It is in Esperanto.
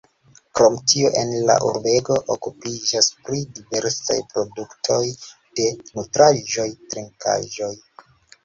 Krom tio en la urbego okupiĝas pri diversaj produktoj de nutraĵoj, trinkaĵoj.